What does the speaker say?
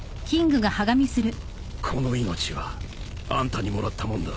この命はあんたにもらったもんだ。